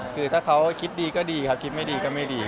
คือถ้าเขาคิดดีก็ดีครับคิดไม่ดีก็ไม่ดี